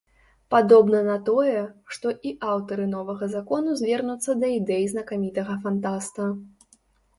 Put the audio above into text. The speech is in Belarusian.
Падобна на тое, што і аўтары новага закону звернуцца да ідэй знакамітага фантаста.